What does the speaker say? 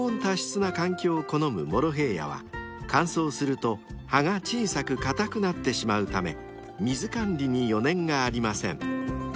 ［モロヘイヤは乾燥すると葉が小さく硬くなってしまうため水管理に余念がありません］